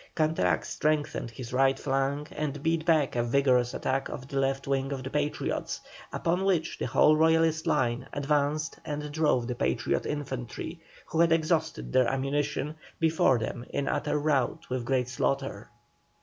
Canterac strengthened his right flank and beat back a vigorous attack of the left wing of the Patriots, upon which the whole Royalist line advanced and drove the Patriot infantry, who had exhausted their ammunition, before them in utter rout with great slaughter.